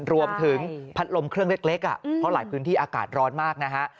รวมถึงพัดลมเครื่องเล็กเพราะหลายพื้นที่อากาศร้อนมากนะฮะ